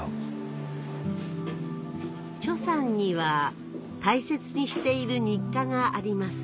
チョさんには大切にしている日課があります